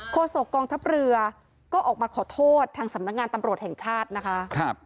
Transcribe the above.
โศกองทัพเรือก็ออกมาขอโทษทางสำนักงานตำรวจแห่งชาตินะคะ